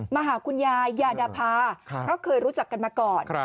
มาหาคุณยายยาดาพาเพราะเคยรู้จักกันมาก่อน